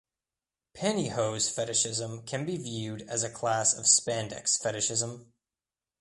Pantyhose fetishism can be viewed as a class of spandex fetishism.